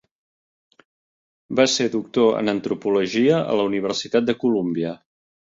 Va ser doctor en antropologia a la Universitat de Colúmbia.